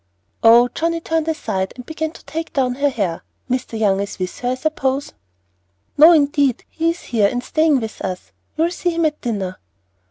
"Oh!" Johnnie turned aside and began to take down her hair. "Mr. Young is with her, I suppose." "No, indeed, he is here, and staying with us. You will see him at dinner."